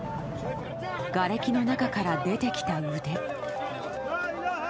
がれきの中から出てきた腕。